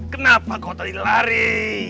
kenapa kau tadi lari